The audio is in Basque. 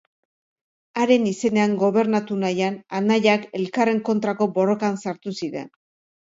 Haren izenean gobernatu nahian, anaiak elkarren kontrako borrokan sartu ziren.